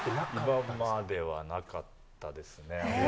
今まではなかったですね。